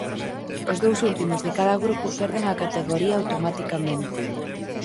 Os dous últimos de cada grupo perden a categoría automaticamente.